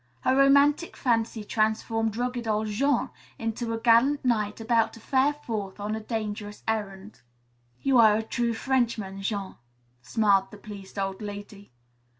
Her romantic fancy transformed rugged old Jean into a gallant knight about to fare forth on a dangerous errand. "You are a true Frenchman, Jean," smiled the pleased old lady.